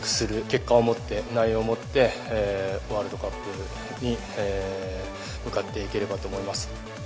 結果を持って、内容を持って、ワールドカップに向かっていければと思います。